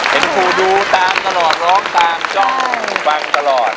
ครูดูตามตลอดร้องตามจ้องฟังตลอด